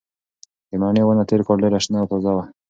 د مڼې ونه تېر کال ډېره شنه او تازه وه.